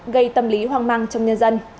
gây tâm lý hoang măng trong nhân dân